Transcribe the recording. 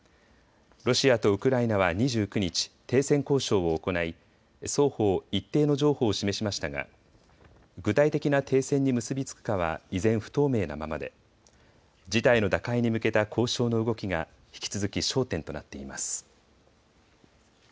ロシアとウクライナは２９日、停戦交渉を行い双方、一定の譲歩を示しましたが具体的な停戦に結び付くかは依然、不透明なままで事態の打開に向けた交渉の動きが引き続き焦点となっています。